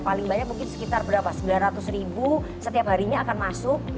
paling banyak mungkin sekitar berapa sembilan ratus ribu setiap harinya akan masuk